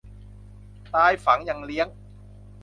ตายฝังยังเลี้ยง